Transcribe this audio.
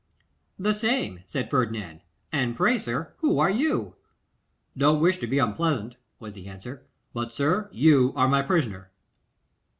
'The same,' said Ferdinand. 'And pray, sir, who are you?' 'Don't wish to be unpleasant,' was the answer, 'but, sir, you are my prisoner.